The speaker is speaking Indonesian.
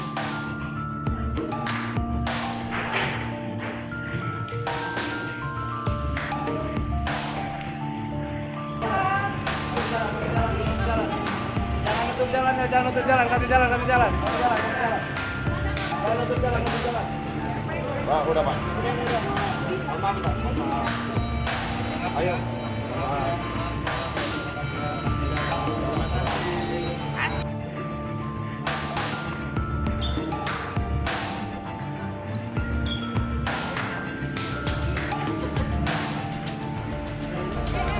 jalan jalan tangan bertempur jalan dengan tijolok kacau kacau barune